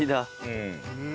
うん。